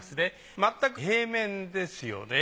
まったく平面ですよね。